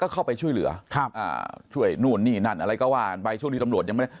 แล้วไปปล่อยทิ้งเอาไว้จนเด็กเนี่ย